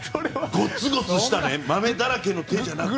ゴツゴツしたマメだらけの手じゃなくて。